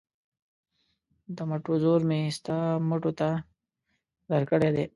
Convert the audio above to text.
د مټو زور مې ستا مټو ته درکړی دی.